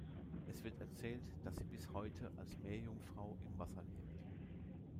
Es wird erzählt, dass sie bis heute als Meerjungfrau im Wasser lebt.